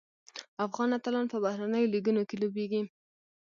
افغان اتلان په بهرنیو لیګونو کې لوبیږي.